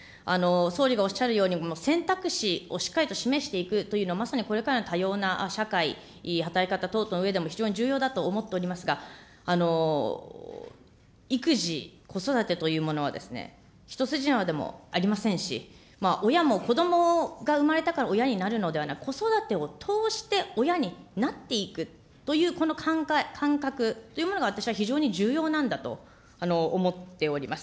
総理がおっしゃるように、選択肢をしっかりと示していくというのは、まさにこれからの多様な社会、働き方等々でも非常に重要だと思っておりますが、育児、子育てというものは一筋縄でもありませんし、親も子どもが生まれたから親になるのではなく、子育てを通して親になっていくという、この感覚というものが私は非常に重要なんだと思っております。